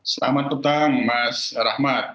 selamat petang mas rahmat